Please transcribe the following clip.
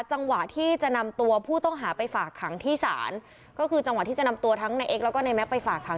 จังหวะที่จะนำตัวผู้ต้องหาไปฝากขังที่ศาลก็คือจังหวะที่จะนำตัวทั้งในเอ็กแล้วก็ในแก๊กไปฝากขัง